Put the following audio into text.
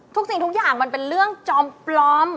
สิ่งทุกอย่างมันเป็นเรื่องจอมปลอม